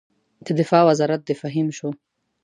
د دفاع وزارت د فهیم شو.